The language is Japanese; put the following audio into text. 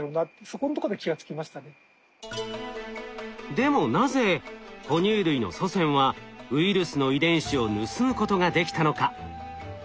でもなぜほ乳類の祖先はウイルスの遺伝子を盗むことができたのか。